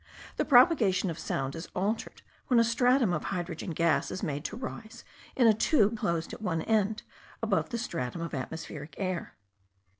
The propagation of sound is altered when a stratum of hydrogen gas is made to rise in a tube closed at one end above a stratum of atmospheric air; and M.